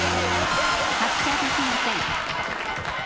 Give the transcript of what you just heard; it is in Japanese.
発車できません。